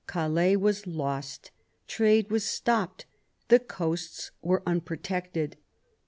Calais was lost ; trade was stopped ; the coasts were un protected.